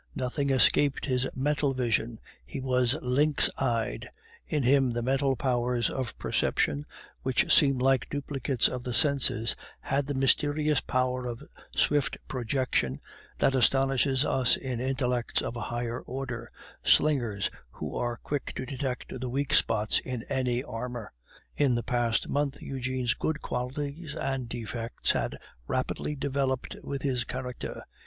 Nothing escaped his mental vision; he was lynx eyed; in him the mental powers of perception, which seem like duplicates of the senses, had the mysterious power of swift projection that astonishes us in intellects of a high order slingers who are quick to detect the weak spot in any armor. In the past month Eugene's good qualities and defects had rapidly developed with his character.